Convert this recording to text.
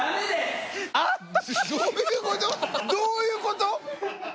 どういうこと？